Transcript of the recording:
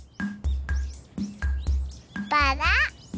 バラ。